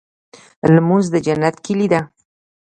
لمونځ د جنت کيلي ده.